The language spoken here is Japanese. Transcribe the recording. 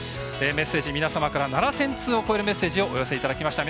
メッセージ、皆様から７０００通を超えるメッセージをお寄せいただきました。